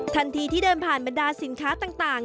ทันทีที่เดินผ่านบรรดาสินค้าต่าง